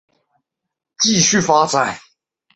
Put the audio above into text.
伐木业和小型的畜牧业在一战和二战期间继续发展。